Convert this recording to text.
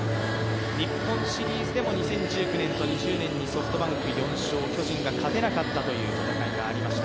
日本シリーズでも２０１９年と２０年にソフトバンク４勝、巨人が勝てなかったという試合がありました。